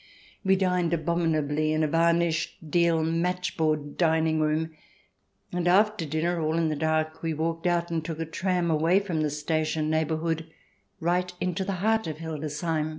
We dined abominably in a varnished deal match boarding dining room, and after dinner, all in the dark, we walked out and took a tram away from the station neighbourhood right into the heart of Hildesheim.